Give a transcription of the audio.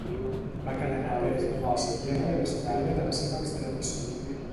Va quedar en arrest domiciliari a l'espera de la seva extradició.